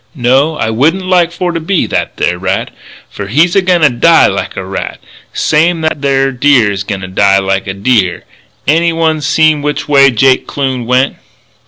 No, I wouldn't like for to be that there rat. Fer he's a goin' to die like a rat, same's that there deer is a goin' to die like a deer.... Anyone seen which way Jake Kloon went?"